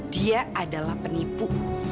dia adalah penipu